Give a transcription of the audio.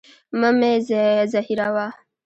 مه مي زهيروه.